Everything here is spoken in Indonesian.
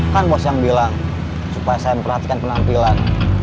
kan bos yang bilang supaya saya memperhatikan penampilan